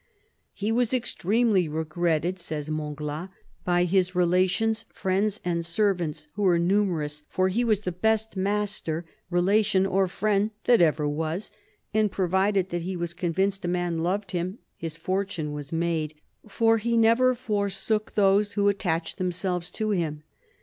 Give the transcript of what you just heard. He was extremely regretted," says Montglat, " by his relations, friends, and servants, who were numerous ; for he was the best master, relation, or friend that ever was ; and provided that he was convinced a man loved him, his fortune was made ; for he never forsook those who attached themselves to him."